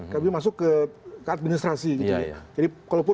kami masuk ke administrasi gitu ya